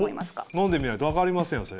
飲んでみないと分かりませんよ。